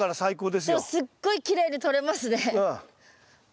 でもすっごいきれいに取れますね。